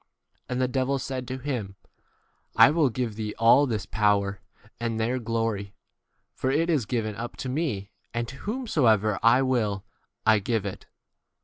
And the devil said to him, I will give thee all this power, and their glory ; for it is given up to me, and to whomsoever I will I give it.